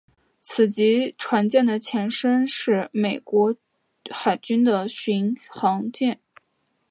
此级船舰的前身是美国海军的巡防舰。